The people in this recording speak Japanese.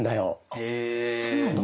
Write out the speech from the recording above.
あそうなんだ。